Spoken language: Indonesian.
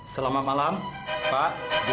selamat malam pak bu